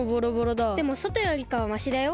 でもそとよりかはましだよ。